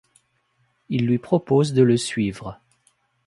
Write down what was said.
Il lui propose de le suivre.